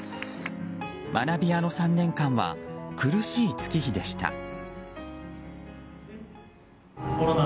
学び舎の３年間は苦しい月日でした。